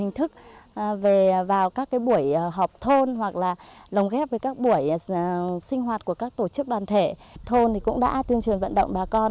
hình thức vào các buổi họp thôn hoặc là lồng ghép với các buổi sinh hoạt của các tổ chức đoàn thể thôn cũng đã tuyên truyền vận động bà con